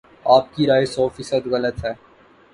آپ کی رائے سو فیصد غلط ہے